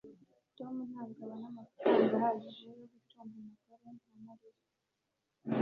Tom ntabwo abona amafaranga ahagije yo gutunga umugore nka Mariya